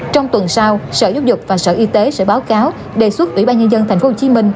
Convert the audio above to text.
trong tuần sau sở giáo dục và sở y tế sẽ báo cáo đề xuất ủy ban nhân dân tp hcm